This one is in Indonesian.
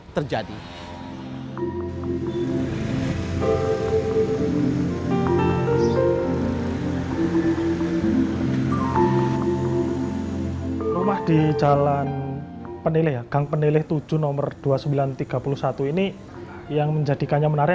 terjadi rumah di jalan penilai gang penilai tujuh nomor dua ribu sembilan ratus tiga puluh satu ini yang menjadikannya menarik